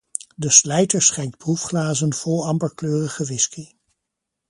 De slijter schenkt proefglazen vol amberkleurige whisky.